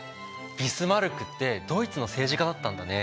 ビスマルクってドイツの政治家だったんだね。